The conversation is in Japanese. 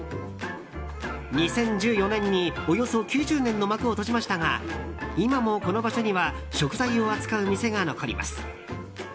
２０１４年におよそ９０年の幕を閉じましたが今もこの場所には食材を扱う店が残ります。